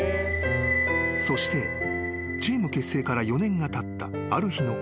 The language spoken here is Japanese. ［そしてチーム結成から４年がたったある日のこと］